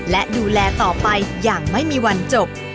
และดูแลต่อไปอย่างไม่มีวันจบ